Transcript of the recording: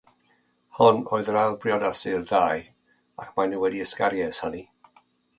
Hon oedd yr ail briodas i'r ddau, ac maen nhw wedi ysgaru ers hynny.